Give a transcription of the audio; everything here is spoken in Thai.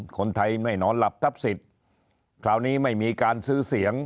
คนไทยไม่นอนหลับทับสิทธิ์คราวนี้ไม่มีการซื้อเสียง